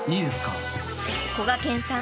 ［こがけんさん